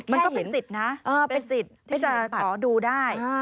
มันก็เป็นสิทธิ์นะเป็นสิทธิ์ที่จะขอดูได้